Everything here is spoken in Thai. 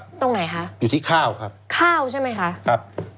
ตรงไหนคะอยู่ที่ข้าวครับข้าวใช่ไหมคะครับ